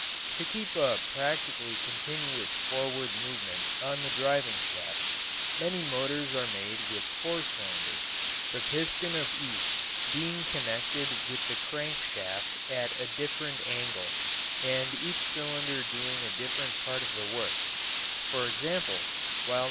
] To keep a practically continuous forward movement on the driving shaft, many motors are made with four cylinders, the piston of each being connected with the crank shaft at a different angle, and each cylinder doing a different part of the work; for example, while No.